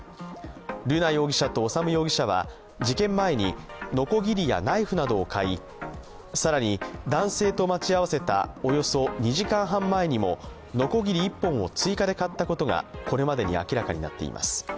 瑠奈容疑者と修容疑者は事件前にのこぎりやナイフなどを買い更に男性と待ち合わせた、およそ２時間半前にものこぎり１本を追加で買ったことがこれまでに明らかになっています。